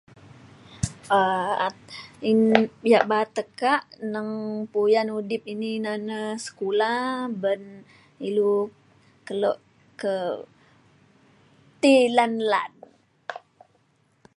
um [unintelligible] yak ba'at tekak neng puyan udip ini na na sekula ban ilu kelo ke ti lan lan